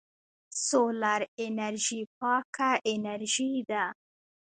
سولر انرژي پاکه انرژي ده.